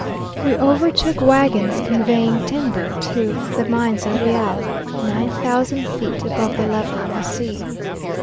We overtook wagons conveying timber to the mines of Real, nine thousand feet above the level of the sea.